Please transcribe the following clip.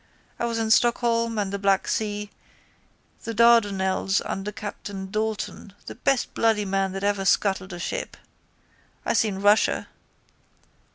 I was in Stockholm and the Black Sea, the Dardanelles under Captain Dalton, the best bloody man that ever scuttled a ship. I seen Russia.